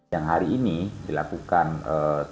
yang hari ini dilakukan ee